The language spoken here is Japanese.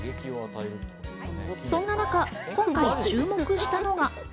そんな中、今回注目したのが。